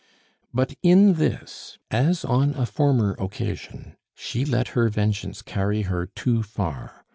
'" But in this, as on a former occasion, she let her vengeance carry her too far.